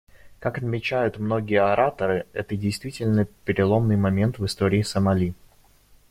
Как отмечают многие ораторы, это действительно переломный момент в истории Сомали.